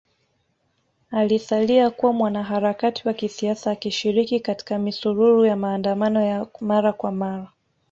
Alisalia kuwa mwanaharakati wa kisiasa akishiriki katika misururu ya maandamano ya mara kwa mara